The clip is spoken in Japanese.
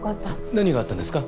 何があったんですか？